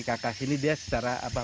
kakak sini dia secara apa